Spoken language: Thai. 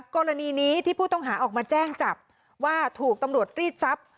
กรณีนี้ที่ผู้ต้องหาออกมาแจ้งจับว่าถูกตำรวจรีดทรัพย์